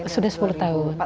sudah sepuluh tahun